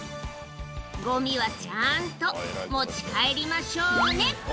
「ゴミはちゃんと持ち帰りましょうね」